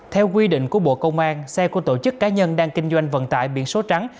theo quy định của bộ công an xe của tổ chức cá nhân đang kinh doanh vận tải biển số trắng